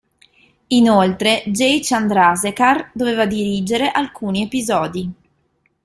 Inoltre Jay Chandrasekhar, doveva dirigere alcuni episodi.